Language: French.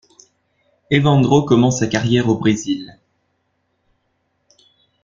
Evandro commence sa carrière au Brésil.